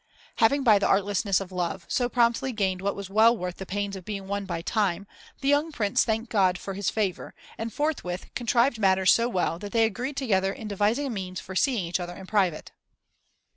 Having, by the artlessness of love, so promptly gained what was well worth the pains of being won by time, the young Prince thanked God for His favour, and forthwith contrived matters so well that they agreed together in devising a means for seeing each other in private.